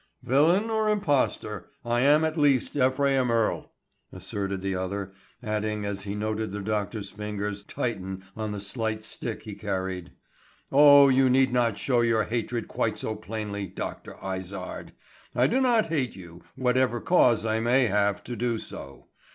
"Villain or impostor, I am at least Ephraim Earle," asserted the other; adding as he noted the doctor's fingers tighten on the slight stick he carried, "Oh, you need not show your hatred quite so plainly, Dr. Izard. I do not hate you, whatever cause I may have to do so.